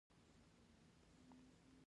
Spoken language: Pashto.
اندخوی دښتې ولې شګلن دي؟